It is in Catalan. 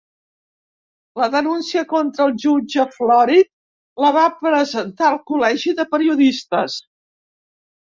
La denúncia contra el jutge Florit la va presentar el col·legi de periodistes